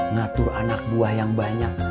ngatur anak buah yang banyak